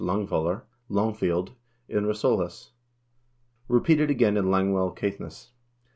lang wollr, 'longfield,' in Resolis,, repeated again in Lang well, Caithness.